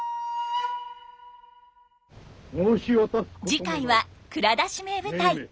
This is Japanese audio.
次回は「蔵出し！名舞台」。